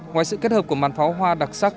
ngoài sự kết hợp của màn pháo hoa đặc sắc